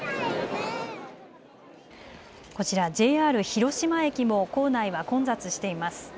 こちらＪＲ広島駅も構内は混雑しています。